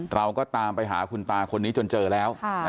เราก็ตามไปหาคุณตาคนนี้จนเจอแล้ว